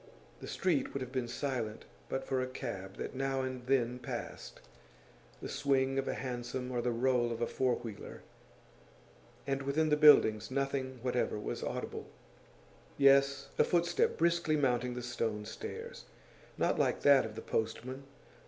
The street would have been silent but for a cab that now and then passed the swing of a hansom or the roll of a four wheeler and within the buildings nothing whatever was audible. Yes, a footstep, briskly mounting the stone stairs. Not like that of the postman.